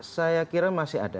saya kira masih ada